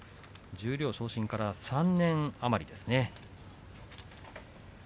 十両昇進から３年余りですね。